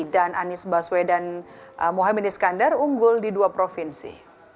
dan anies baswedan mohamed iskandar unggul di dua provinsi